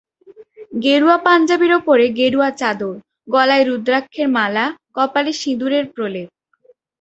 গেরুয়া পাঞ্জাবির ওপরে গেরুয়া চাদর, গলায় রুদ্রাক্ষের মালা, কপালে সিঁদুরের প্রলেপ।